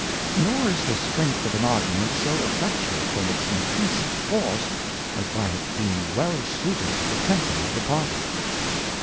Nor is the strength of an Argument so effectual from its intrinsick Force, as by its being well suited to the Temper of the Party.